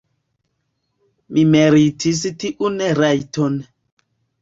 Vi meritis tiun rajton.